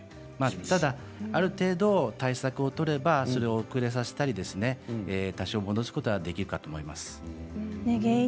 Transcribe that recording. ただある程度、対策を取れば遅れさせたり多少戻すことができるかと思います。